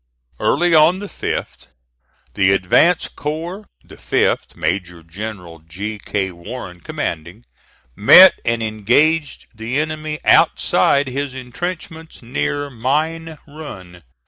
Early on the 5th, the advance corps (the fifth, Major General G. K. Warren commanding) met and engaged the enemy outside his intrenchments near Mine Run.